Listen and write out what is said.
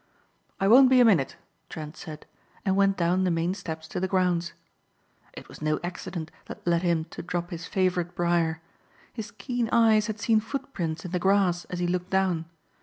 "I won't be a minute," Trent said, and went down the main steps to the grounds. It was no accident that led him to drop his favorite briar. His keen eyes had seen footprints in the grass as he looked down.